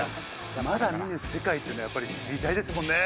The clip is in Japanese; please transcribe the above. まだ見ぬ世界っていうのをやっぱり知りたいですもんね